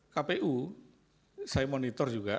kpu saya monitor juga